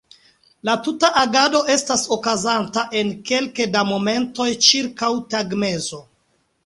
La tuta agado estas okazanta en kelke da momentoj ĉirkaŭ tagmezo.